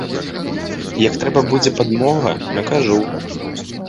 Як трэба будзе падмога, накажу.